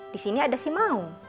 di sini ada si maung